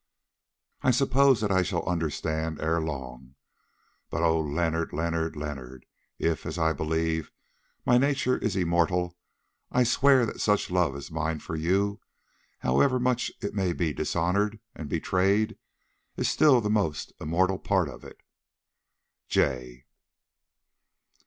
I suppose that I shall understand ere long, but, O Leonard, Leonard, Leonard, if, as I believe, my nature is immortal, I swear that such love as mine for you, however much it be dishonoured and betrayed, is still the most immortal part of it!—J."